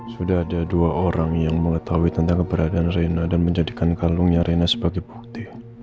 sudah ada dua orang yang mengetahui tentang keberadaan rena dan menjadikan kalungnya rena sebagai bukti